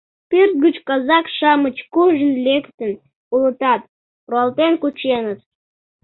Пӧрт гыч казак-шамыч куржын лектын улытат, руалтен кученыт.